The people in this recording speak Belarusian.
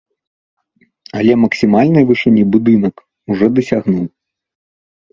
Але максімальнай вышыні будынак ужо дасягнуў.